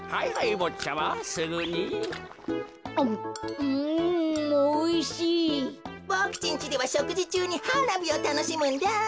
ボクちんちではしょくじちゅうにはなびをたのしむんだ。